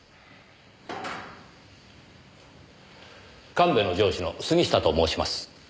神戸の上司の杉下と申します。